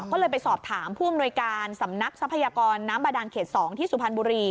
ก็เลยไปสอบถามผู้อำนวยการสำนักทรัพยากรน้ำบาดานเขต๒ที่สุพรรณบุรี